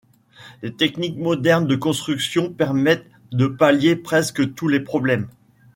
Les techniques modernes de construction permettent de pallier presque tous les problèmes.